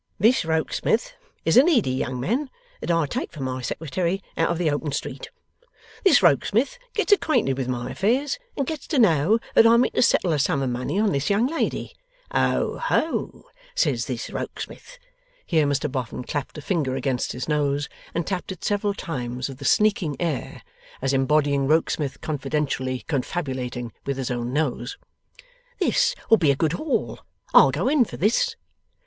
'This Rokesmith is a needy young man that I take for my Secretary out of the open street. This Rokesmith gets acquainted with my affairs, and gets to know that I mean to settle a sum of money on this young lady. "Oho!" says this Rokesmith;' here Mr Boffin clapped a finger against his nose, and tapped it several times with a sneaking air, as embodying Rokesmith confidentially confabulating with his own nose; '"This will be a good haul; I'll go in for this!"